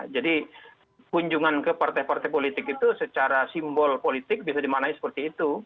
jadi kunjungan ke partai partai politik itu secara simbol politik bisa dimanai seperti itu